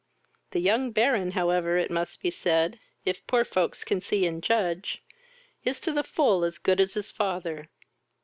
The young Baron however, it must be said, if poor folks can see and judge, is to the full as good as his father.